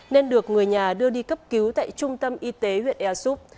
nên được người nhà đưa đi cấp cứu tại trung tâm y tế huyện ea súp